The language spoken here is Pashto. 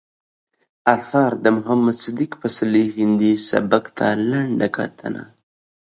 اثار، د محمد صديق پسرلي هندي سبک ته لنډه کتنه